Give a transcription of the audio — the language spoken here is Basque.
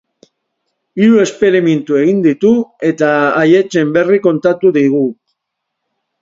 Hiru esperimentu egin ditu eta haietxen berri kontatu digu.